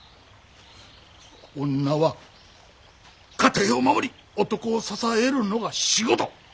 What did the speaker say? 女は家庭を守り男を支えるのが仕事！